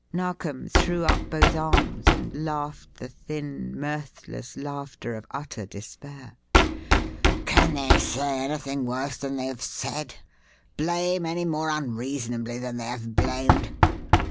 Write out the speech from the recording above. Narkom threw up both arms and laughed the thin, mirthless laughter of utter despair. "Can they say anything worse than they have said? Blame any more unreasonably than they have blamed?